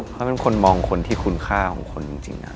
เขาเป็นคนมองคนที่คุณค่าของคนจริง